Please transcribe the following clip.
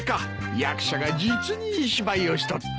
役者が実にいい芝居をしとった。